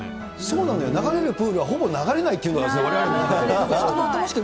そうなのよ、流れるプールが、ほぼ流れないっていうわれわれの見方。